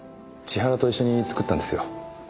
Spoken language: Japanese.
千原と一緒に作ったんですよ。